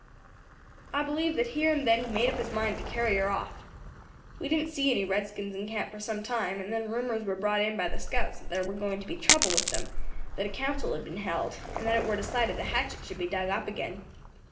"I believe that there and then he made up his mind to carry her off. We didn't see any redskins in camp for some time; and then rumours were brought in by the scouts that there war going to be trouble with them, that a council had been held, and that it war decided the hatchet should be dug up again.